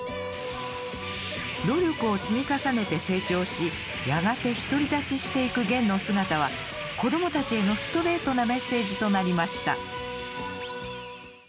努力を積み重ねて成長しやがて独り立ちしていくゲンの姿は子供たちへのストレートなメッセージとなりました。